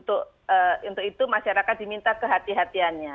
untuk itu masyarakat diminta kehati hatiannya